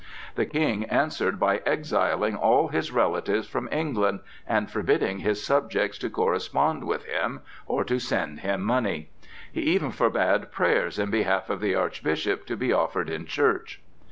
The King answered by exiling all his relatives from England, and forbidding his subjects to correspond with him, or to send him money; he even forbade prayers in behalf of the Archbishop to be offered in church.